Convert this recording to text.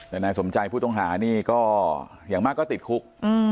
แต่นายสมใจผู้ต้องหานี่ก็อย่างมากก็ติดคุก